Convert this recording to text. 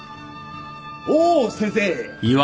おお先生。